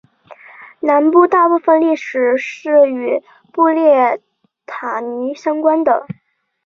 南特大部分历史是与布列塔尼相关的。